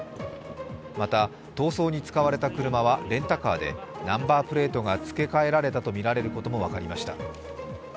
また、逃走に使われた車はレンタカーでナンバープレートが付け替えられたとみられることも分かりました。